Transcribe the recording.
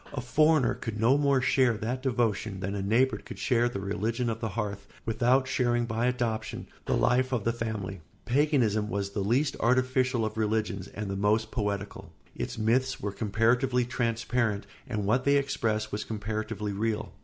A foreigner could no more share that devotion than a neighbour could share the religion of the hearth without sharing by adoption the life of the family. Paganism was the least artificial of religions and the most poetical; its myths were comparatively transparent and what they expressed was comparatively real.